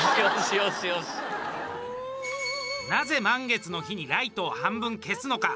なぜ満月の日にライトを半分消すのか。